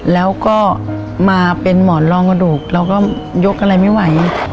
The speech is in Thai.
แล้วก็มาเป็นหมอนรองกระดูกเราก็ยกอะไรไม่ไหว